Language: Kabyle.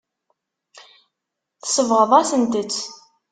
Tsebɣeḍ-asent-t.